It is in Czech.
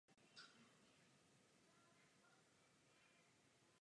Ptá se jej na velmi osobní věci a ukazuje mu kresby zavražděných dívek.